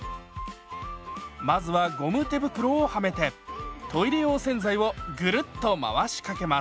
まずはゴム手袋をはめてトイレ用洗剤をぐるっと回しかけます。